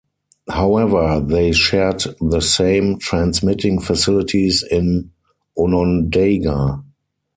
However, they shared the same transmitting facilities in Onondaga.